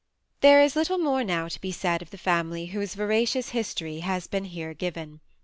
There is little more now, to be said of the family whose veracious history has been here given.